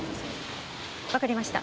わかりました。